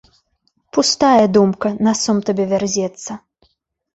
Пустая думка на сум табе вярзецца.